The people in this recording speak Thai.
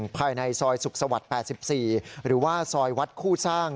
ภายในซอยสุขสวรรค์๘๔หรือว่าซอยวัดคู่สร้าง